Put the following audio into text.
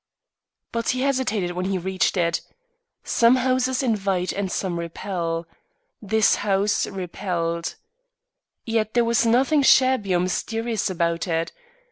But he hesitated when he reached it. Some houses invite and some repel. This house repelled. Yet there was nothing shabby or mysterious about it.